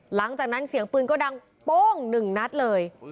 หลังจากนั้นเสียงปืนก็ดังโป้งหนึ่งนัดเลย